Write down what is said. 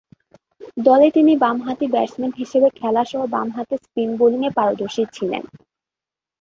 দলে তিনি বামহাতি ব্যাটসম্যান হিসেবে খেলাসহ বামহাতে স্পিন বোলিংয়ে পারদর্শী ছিলেন।